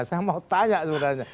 saya mau tanya sebenarnya